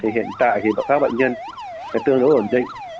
hiện tại thì các bệnh nhân tương đối ổn định